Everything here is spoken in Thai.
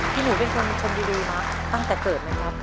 พี่หนูเป็นคนดีมาตั้งแต่เกิดไหมครับพี่หนูเป็นคนดีมาตั้งแต่เกิดไหมครับ